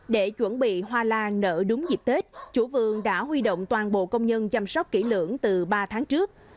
để chuẩn bị hoa lan nở đúng dịp tết chủ vườn đã huy động toàn bộ công nhân chăm sóc kỹ lưỡng từ ba tháng trước